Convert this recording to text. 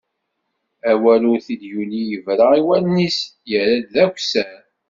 Awal ur t-id-yuli, yebra i wallen-is, yerra d akessar.